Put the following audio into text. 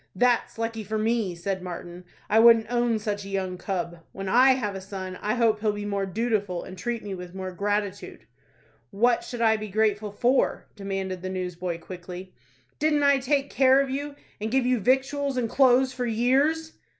"That's lucky for me," said Martin; "I wouldn't own such a young cub. When I have a son, I hope he'll be more dootiful, and treat me with more gratitude." "What should I be grateful for?" demanded the newsboy, quickly. "Didn't I take care of you, and give you victuals and clothes for years?"